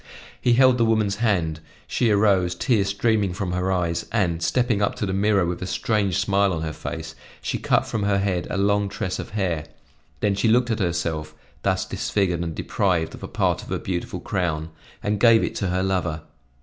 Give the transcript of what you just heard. He held the woman's hand; she arose, tears streaming from her eyes, and, stepping up to the mirror with a strange smile on her face, she cut from her head a long tress of hair; then she looked at herself, thus disfigured and deprived of a part of her beautiful crown, and gave it to her lover.